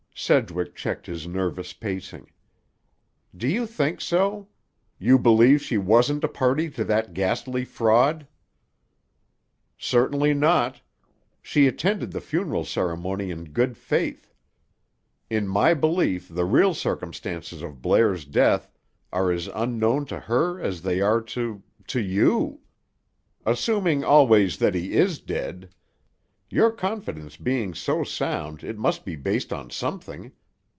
Sedgwick checked his nervous pacing. "Do you think so? You believe she wasn't a party to that ghastly fraud?" "Certainly not. She attended the funeral ceremony in good faith. In my belief the real circumstances of Blair's death are as unknown to her as they are to—to you." "Assuming always that he is dead. Your confidence being so sound, it must be based on something.